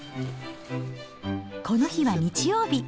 この日は日曜日。